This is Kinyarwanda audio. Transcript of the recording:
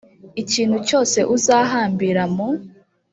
ikintu cyose uzahambira mu